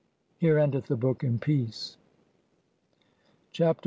Here endeth the book in peace. Chapter CL.